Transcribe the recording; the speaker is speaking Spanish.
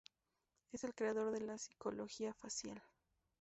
Es el creador de la Psicología Facial.